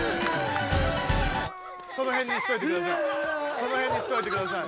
そのへんにしといてください。